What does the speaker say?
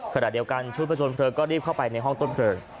ขณะเดียวกันชุดประชนเพลิงก็รีบเข้าไปในห้องต้นเพลิง